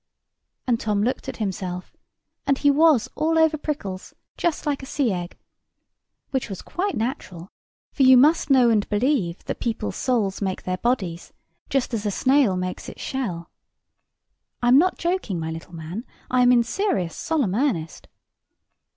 And Tom looked at himself: and he was all over prickles, just like a sea egg. Which was quite natural; for you must know and believe that people's souls make their bodies just as a snail makes its shell (I am not joking, my little man; I am in serious, solemn earnest).